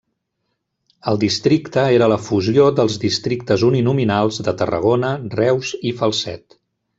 El districte era la fusió dels districtes uninominals de Tarragona, Reus i Falset.